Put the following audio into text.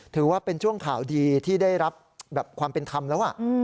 ถือว่าเป็นช่วงข่าวดีที่ได้รับความเป็นธรรมแล้ว